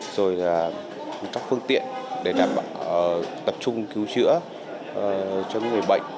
rồi là các phương tiện để đảm bảo tập trung cứu chữa cho những người bệnh